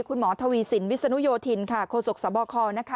ผู้ชมคุณหมอทวีสินวิฒสนุยถินค่ะโฆษกษบคล์นะคะ